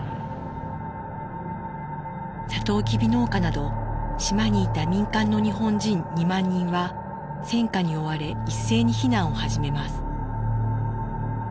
さとうきび農家など島にいた民間の日本人２万人は戦火に追われ一斉に避難を始めます。